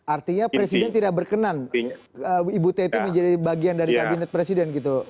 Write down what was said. artinya presiden tidak berkenan ibu teti menjadi bagian dari kabinet presiden gitu